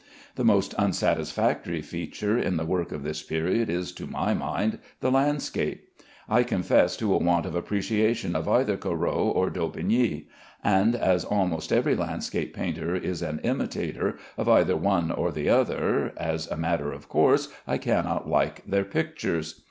The most unsatisfactory feature in the work of this period is, to my mind, the landscape. I confess to a want of appreciation of either Corot or Daubigny; and as almost every landscape painter is an imitator of either one or the other, as a matter of course I cannot like their pictures.